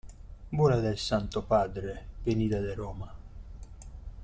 bula del Santo Padre, venida de Roma.